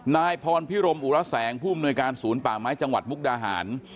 นายพรพิรมอุระแสงผู้อำนวยการศูนย์ป่าไม้จังหวัดมุกดาหาร